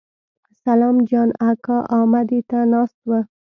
سلام جان اکا امدې ته ناست و.